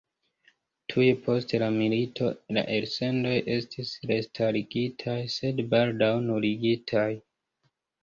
Tuj post la milito la elsendoj estis restarigitaj, sed baldaŭ nuligitaj.